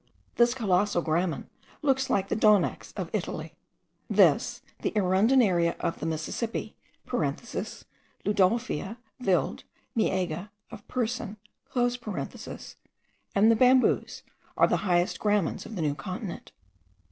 This colossal gramen looks like the donax of Italy. This, the arundinaria of the Mississippi, (ludolfia, Willd., miegia of Persoon,) and the bamboos, are the highest gramens of the New Continent.